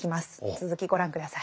続きご覧下さい。